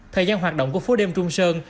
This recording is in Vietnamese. thời gian hoạt động của phố đêm trung sơn